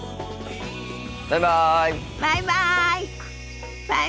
バイバイ。